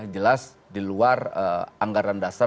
jelas di luar anggaran dasar